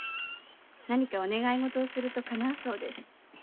何かお願いごとをすると叶うそうです。